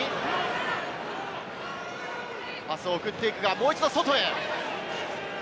もう一度、外へ。